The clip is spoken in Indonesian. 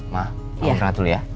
maaf aku berangkat dulu ya